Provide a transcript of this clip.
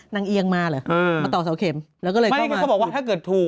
เอียงมาเหรอมาต่อเสาเข็มแล้วก็เลยไม่เขาบอกว่าถ้าเกิดถูก